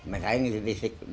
misalnya disitu disitu disitu